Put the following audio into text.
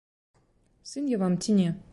Сын я вам ці не?